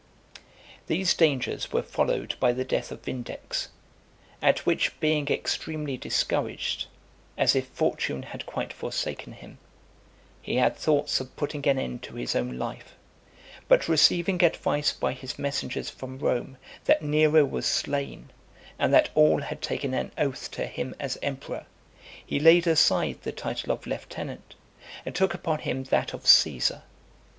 These dangers were followed by the death of Vindex, at which being extremely discouraged, as if fortune had quite forsaken him, he had thoughts of putting an end to his own life; but receiving advice by his messengers from Rome that Nero was slain, and that all had taken an oath to him as emperor, he laid aside the title of lieutenant, and took upon him that of Caesar.